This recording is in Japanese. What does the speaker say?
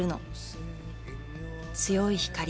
強い光。